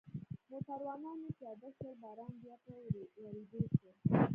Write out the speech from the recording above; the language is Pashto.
موټروانان یې پیاده شول، باران بیا په ورېدو شو.